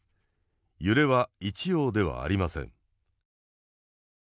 揺れは一様ではありません。